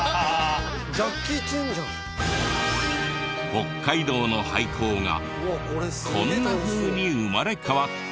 北海道の廃校がこんなふうに生まれ変わった！